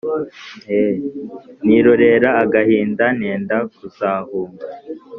Nirorera agahinda Ntenda kuzahunga